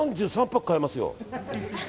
３３パック買えますよ。